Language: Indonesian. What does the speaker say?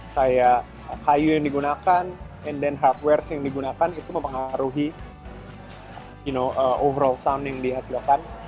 kayak kayu yang digunakan and then hardware yang digunakan itu mempengaruhi overall sound yang dihasilkan